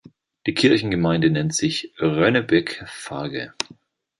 Die Kirchengemeinde nennt sich "Rönnebeck-Farge".